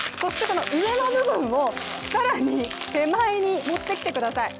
上の部分を更に手前に持ってきてください。